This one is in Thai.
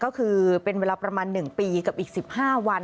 ก็คือเป็นเวลาประมาณ๑ปีกับอีก๑๕วัน